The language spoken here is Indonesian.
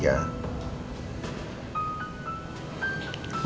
gak bisa lah